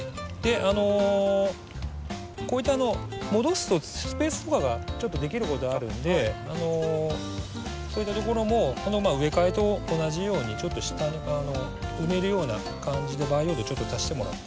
あのこうやって戻すとスペースとかがちょっとできることあるのでそういったところも植え替えと同じようにちょっと埋めるような感じで培養土をちょっと足してもらって。